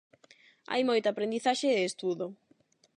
Hai moita aprendizaxe e estudo.